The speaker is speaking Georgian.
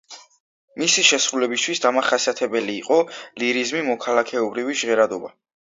მისი შესრულებისათვის დამახასიათებელი იყო ლირიზმი, მოქალაქეობრივი ჟღერადობა.